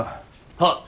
はっ。